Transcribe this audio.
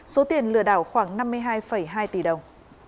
số tiền lừa đảo khoảng năm mươi hai hai tỷ đồng